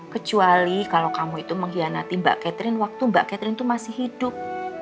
kecuali kalau kamu itu mengkhianati mbak catherine waktu mbak catherine itu masih hidup